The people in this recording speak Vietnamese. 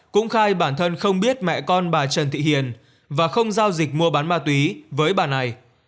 cũng khai bản thân không biết mẹ con bà trần thị hiền và không giao dịch mua bán ma túy với bà này